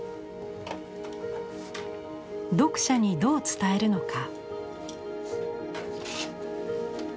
読者にどう伝えるのか。